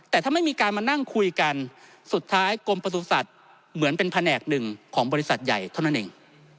แต่ถ้าไม่มีการมานั่งคุยกันสุดท้ายกรมประสุทธิ์เหมือนเป็นแผนกหนึ่งของบริษัทใหญ่เท่านั้นเอง